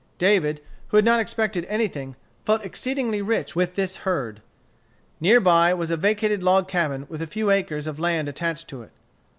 David, who had not expected anything, felt exceedingly rich with this herd. Near by there was a vacated log cabin with a few acres of land attached to it.